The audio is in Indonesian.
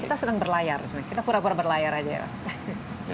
kita senang berlayar kita pura pura berlayar aja ya